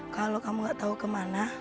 kalau kamu gak tahu kemana